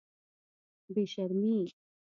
بې شرمې.